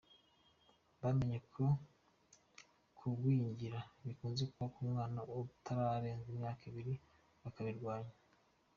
Bamenye ko kugwingira bikunze kuba ku mwana utararenza imyaka ibiri, bakabirwanya.